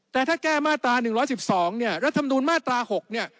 แต่ถ้าแก้มาตราหนึ่งร้อยสิบสองเนี่ยรัฐธรรมนูลมาตราหกเนี่ย